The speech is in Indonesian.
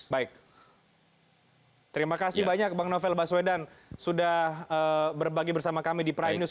baik terima kasih banyak mbak novel baswedan sudah berbagi bersama kami di pra indus